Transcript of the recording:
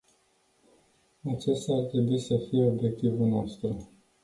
Acesta ar trebui să fie obiectivul nostru.